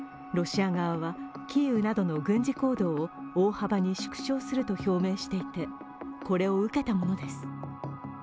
ロシア側はキーウなどの軍事行動を大幅に縮小すると表明していてこれを受けたものです。